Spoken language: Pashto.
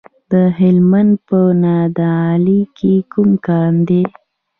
د هلمند په نادعلي کې کوم کان دی؟